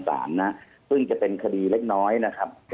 ซึ่งจะเป็นคดีเล็กน้อยนะครับ